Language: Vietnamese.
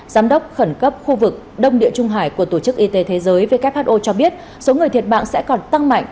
giám đốc khẩn cấp khu vực đông địa trung hải của tổ chức y tế thế giới who cho biết số người thiệt mạng sẽ còn tăng mạnh